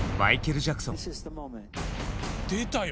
出たよ！